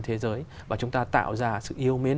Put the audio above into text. thế giới và chúng ta tạo ra sự yêu mến